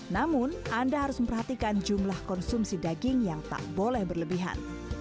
namun anda harus memperhatikan jumlah konsumsi daging yang tak boleh berlebihan